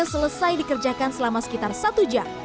selesai dikerjakan selama sekitar satu jam